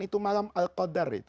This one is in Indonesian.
itu malam al qadar